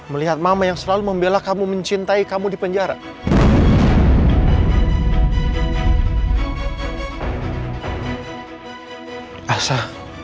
melihat mama yang selalu membela kamu mencintai kamu di penjara